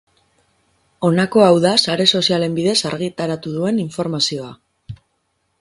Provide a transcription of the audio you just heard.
Honako hau da sare sozialen bidez argitaratu duen informazioa.